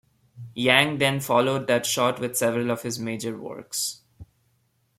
Yang then followed that short with several of his major works.